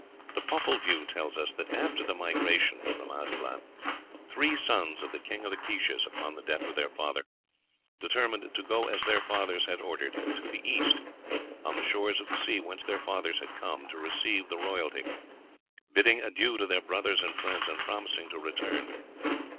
The "Popul Vuh" tells us that after the migration from Aztlan three sons of the King of the Quiches, upon the death of their father, "determined to go as their fathers had ordered to the East, on the shores of the sea whence their fathers had come, to receive the royalty, 'bidding adieu to their brothers and friends, and promising to return.'